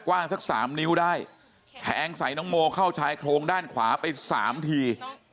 กว้างสักสามนิ้วได้แทงใส่น้องโมเข้าชายโครงด้านขวาไปสามที